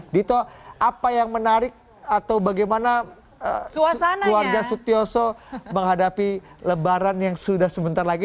dito apa yang menarik atau bagaimana keluarga sutyoso menghadapi lebaran yang sudah sebentar lagi